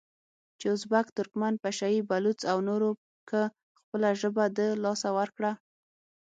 چې ازبک، ترکمن، پشه یي، بلوڅ او نورو که خپله ژبه د لاسه ورکړه،